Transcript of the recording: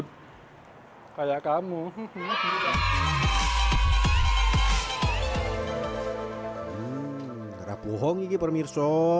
tidak bohong ini permirso